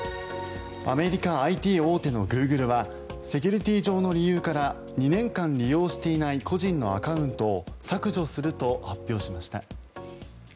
アメリカ、ＩＴ大手のグーグルはセキュリティー上の理由から２年間利用していない個人のアカウントを削除すると発表しました。